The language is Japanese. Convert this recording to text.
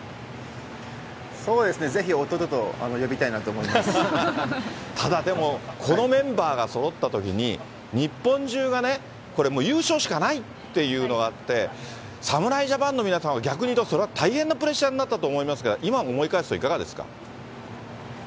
そうですね、ただ、でもこのメンバーがそろったときに、日本中がね、これもう優勝しかないっていうのがあって、侍ジャパンの皆さんは、逆に言うと、それは大変なプレッシャーになったと思いますが、今思い返すと、いかがですか。